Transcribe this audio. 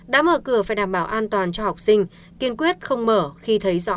đã mở cửa phải đảm bảo an toàn cho học sinh kiên quyết không mở khi thấy rõ